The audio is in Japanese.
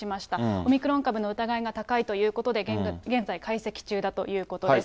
オミクロン株の疑いが高いということで、現在、解析中だということです。